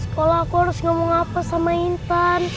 sekolah aku harus ngomong apa sama intan